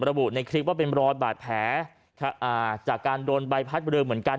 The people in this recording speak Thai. ระบุในคลิปว่าเป็นรอยบาดแผลจากการโดนใบพัดเรือเหมือนกัน